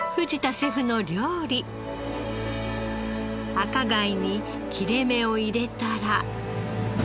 赤貝に切れ目を入れたら。